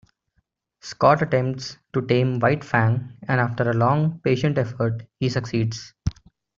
Scott attempts to tame White Fang, and after a long, patient effort, he succeeds.